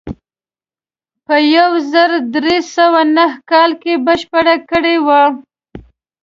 په یو زر درې سوه نهه کال کې بشپړه کړې وه.